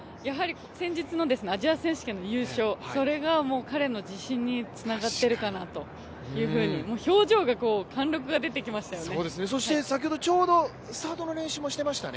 先日のアジア選手権の優勝が彼の自信につながっているかなというふうに、表情が貫禄が出てきまできたぁ。